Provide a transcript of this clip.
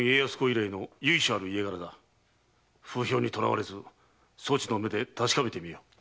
風評にとらわれずそちの目で確かめてみよ。